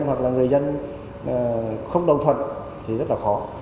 hoặc là người dân không đồng thuận thì rất là khó